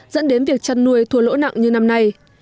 dẫn đến việc chăn nuôi thua lỗ nặng như năm nay